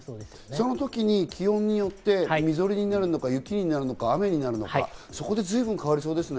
その時に気温によってみぞれになるのか、雪になるのか、雨になるのか、そこで随分変わりそうですね。